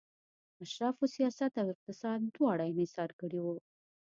اشرافو سیاست او اقتصاد دواړه انحصار کړي وو